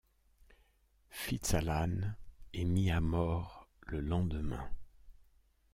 FitzAlan est mis à mort le lendemain.